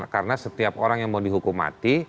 karena setiap orang yang mau dihukum mati